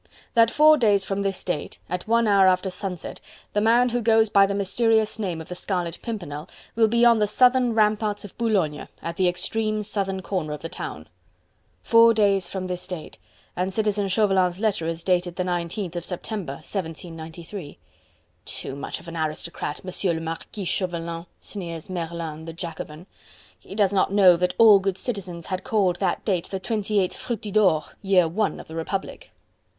"... that four days from this date, at one hour after sunset, the man who goes by the mysterious name of the Scarlet Pimpernel will be on the southern ramparts of Boulogne, at the extreme southern corner of the town." "Four days from this date..." and Citizen Chauvelin's letter is dated the nineteenth of September, 1793. "Too much of an aristocrat Monsieur le Marquis Chauvelin..." sneers Merlin, the Jacobin. "He does not know that all good citizens had called that date the 28th Fructidor, Year I. of the Republic."